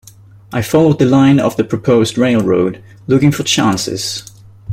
I followed the line of the proposed railroad, looking for chances.